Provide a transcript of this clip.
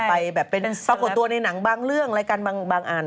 ไปแบบเป็นปรากฏตัวในหนังบางเรื่องอะไรกันบางอัน